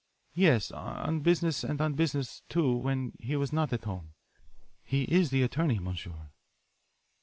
"Yes, on business and on business, too, when he was not at home. He is the attorney, m'sieur."